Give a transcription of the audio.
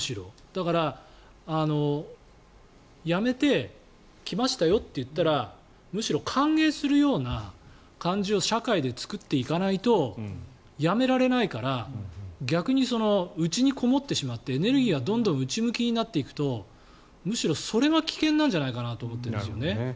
だから、やめてきましたよと言ったらむしろ歓迎するような感じを社会で作っていかないとやめられないから逆に内にこもってしまってエネルギーがどんどん内向きになっていくとむしろそれが危険なんじゃないかなと思ってるんですね。